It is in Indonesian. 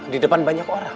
di depan banyak orang